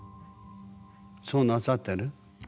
そうなさってる？